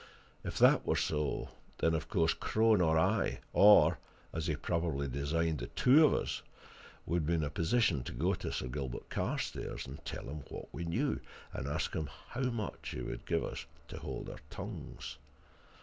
If that were so, then, of course, Crone or I, or as he probably designed the two of us, would be in a position to go to Sir Gilbert Carstairs and tell him what we knew, and ask him how much he would give us to hold our tongues.